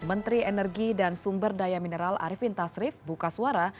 menteri energi dan sumber daya mineral arifin tasrif buka suara